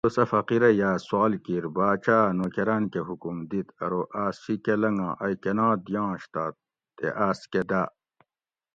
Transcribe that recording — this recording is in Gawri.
اۤ دوس اۤ فقیرہ یاۤ سوال کِیر باۤچاۤ اۤ نوکراۤن کہ حکم دِیت ارو آس شیکہ لنگا ائ کنا دِیاںش تہ تے آس کہ داۤ